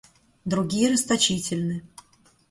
Другие расточительны.